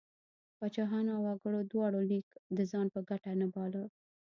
پاچاهانو او وګړو دواړو لیک د ځان په ګټه نه باله.